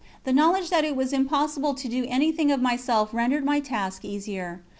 The knowledge that it was impossible to do anything of myself rendered my task easier.